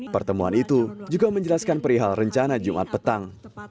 pertemuan itu juga menjelaskan perihal rencana jumat petang